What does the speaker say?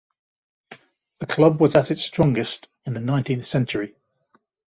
The club was at its strongest in the nineteenth century.